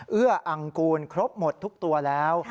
เอื้ออังกูลครบหมดทุกตัวแล้ว